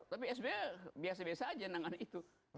tapi sby biasa biasa aja dengan itu